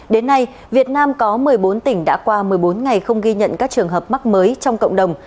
đến nay việt nam có một mươi bốn tỉnh đã qua một mươi bốn ngày không ghi nhận các trường hợp mắc mới trong cộng đồng